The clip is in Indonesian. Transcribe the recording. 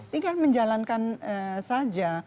tinggal menjalankan saja